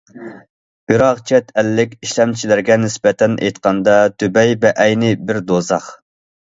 بىراق چەت ئەللىك ئىشلەمچىلەرگە نىسبەتەن ئېيتقاندا، دۇبەي بەئەينى بىر دوزاخ.